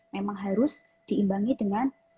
memang harus diimbangi dengan